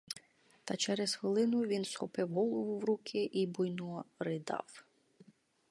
Та через хвилину він схопив голову в руки і буйно ридав.